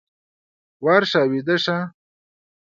ورشه ويده شه!